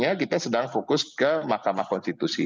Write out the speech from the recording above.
tentunya kita sedang fokus ke makamah konstitusi